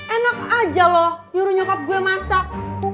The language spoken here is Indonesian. enak aja loh nyuruh nyokap gue masak